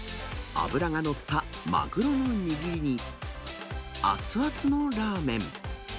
脂が乗ったマグロの握りに、熱々のラーメン。